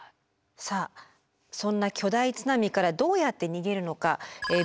さあそんな巨大津波からどうやって逃げるのか。